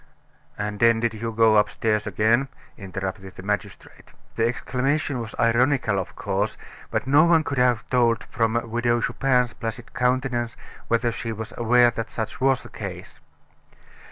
"And then did you go upstairs again?" interrupted the magistrate. The exclamation was ironical, of course, but no one could have told from the Widow Chupin's placid countenance whether she was aware that such was the case.